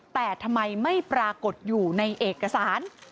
แต่ทำไมไม่ปรากฏอยู่ในเอกสาร